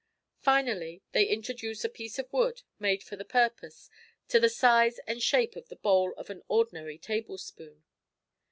Finally, they introduce a piece of wood, made for the purpose, of the size and shape of the bowl of an ordinary table spoon.